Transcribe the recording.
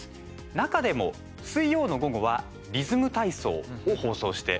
中でも、水曜の午後はリズム体操を放送しています。